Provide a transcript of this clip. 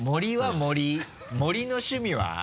森の趣味は？